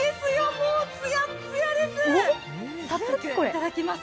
もうつやっつやです。